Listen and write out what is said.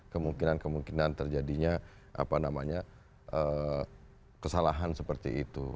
kemungkinan kemungkinan terjadinya kesalahan seperti itu